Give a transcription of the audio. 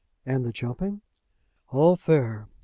"And the jumping?" "All fair.